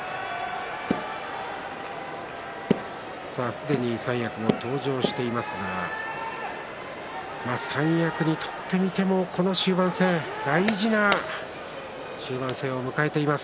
すでに三役も登場していますが三役にとってみてもこの終盤戦大事な終盤戦を迎えています